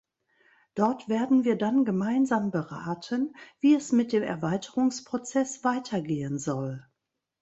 Dort werden wir dann gemeinsam beraten, wie es mit dem Erweiterungsprozess weitergehen soll.